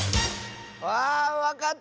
あわかった！